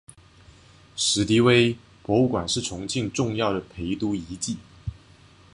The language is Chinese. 史迪威博物馆是重庆重要的陪都遗迹。